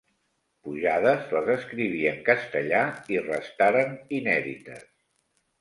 Pujades les escriví en castellà i restaren inèdites.